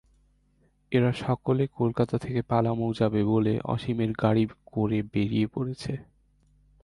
এরা সকলে কলকাতা থেকে পালামৌ যাবে বলে অসীমের গাড়ি করে বেরিয়ে পড়েছে।